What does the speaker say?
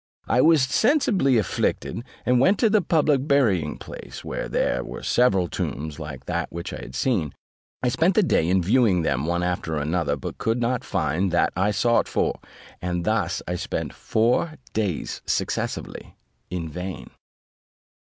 I was sensibly afflicted, and went to the public burying place, where there were several tombs like that which I had seen: I spent the day in viewing them one after another, but could not find that I sought for, and thus I spent four days successively in vain.